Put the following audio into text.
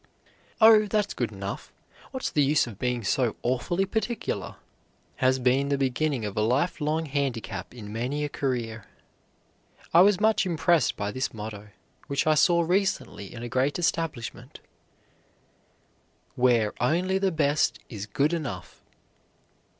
"Oh, that's good enough, what's the use of being so awfully particular?" has been the beginning of a life long handicap in many a career. I was much impressed by this motto, which I saw recently in a great establishment, "WHERE ONLY THE BEST IS GOOD ENOUGH."